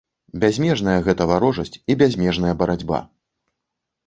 Бязмежная гэта варожасць і бязмежная барацьба!